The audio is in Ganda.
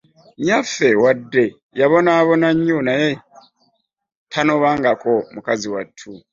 Nnyaffe wadde yabonaabona nnyo naye tanobangako mukazi wattu.